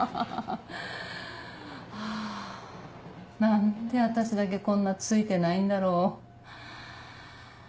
ハァ何で私だけこんなツイてないんだろう？